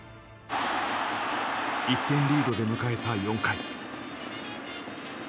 １点リードで迎えた４回。